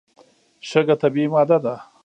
شګه طبیعي ماده ده.